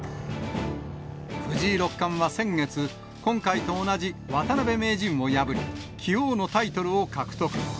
藤井六冠は先月、今回と同じ渡辺名人を破り、棋王のタイトルを獲得。